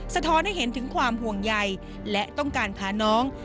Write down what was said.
สะท้อนให้เห็นถึงความห่วงใยและต้องการพาน้อง